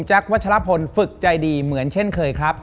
วัชลพลฝึกใจดีเหมือนเช่นเคยครับ